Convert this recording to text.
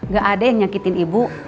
gak ada yang nyakitin ibu